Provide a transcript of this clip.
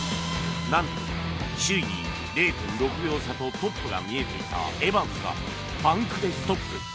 なんと首位に０．６秒差とトップが見えていたエバンスがパンクでストップ。